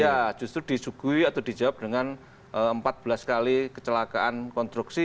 ya justru disuguhi atau dijawab dengan empat belas kali kecelakaan konstruksi